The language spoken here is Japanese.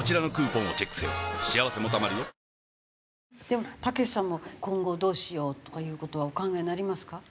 でもたけしさんも今後どうしようとかいう事はお考えになりますか？